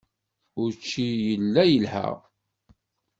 Učči yella yelha.